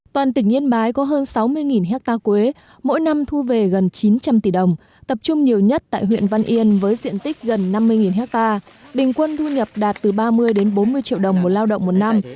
toàn tỉnh yên bái có hơn sáu mươi hectare quế mỗi năm thu về gần chín trăm linh tỷ đồng tập trung nhiều nhất tại huyện văn yên với diện tích gần năm mươi hectare bình quân thu nhập đạt từ ba mươi đến bốn mươi triệu đồng một lao động một năm